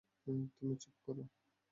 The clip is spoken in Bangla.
তুমি চুপ করো।